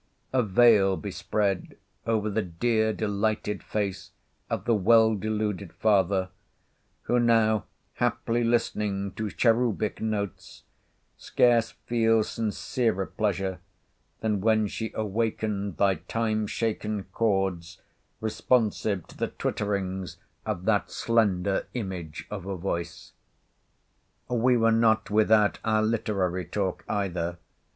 A veil be spread over the dear delighted face of the well deluded father, who now haply listening to cherubic notes, scarce feels sincerer pleasure than when she awakened thy time shaken chords responsive to the twitterings of that slender image of a voice. We were not without our literary talk either.